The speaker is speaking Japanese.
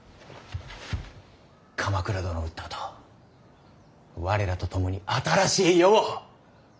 鎌倉殿を討ったあと我らと共に新しい世を。